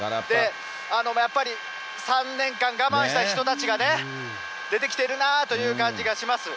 やっぱり３年間、我慢した人たちがね、出てきてるなという感じがします。